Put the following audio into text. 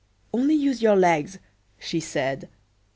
"Only use your legs," she said.